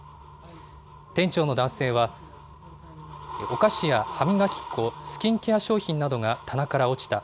店長の男性は、お菓子や歯磨き粉、スキンケア商品などが棚から落ちた。